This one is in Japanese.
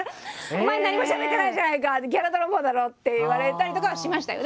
「お前何もしゃべってないじゃないかギャラ泥棒だろ！」って言われたりとかはしましたよ。